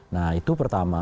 nah itu pertama